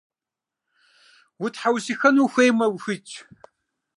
Утхьэусыхэну ухуеймэ, ухуитщ.